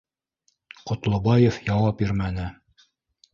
Ҡотлобаев яуап бирмәне